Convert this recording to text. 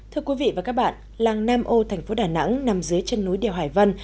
thưa quý vị và các bạn làng nam ô thành phố đà nẵng nằm dưới chân núi đèo hải vân